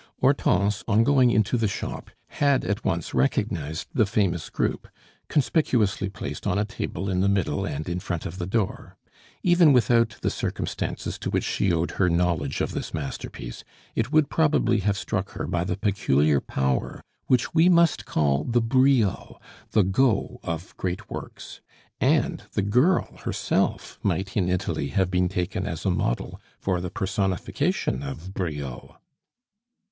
Hortense, on going into the shop, had at once recognized the famous group, conspicuously placed on a table in the middle and in front of the door. Even without the circumstances to which she owed her knowledge of this masterpiece, it would probably have struck her by the peculiar power which we must call the brio the go of great works; and the girl herself might in Italy have been taken as a model for the personification of Brio.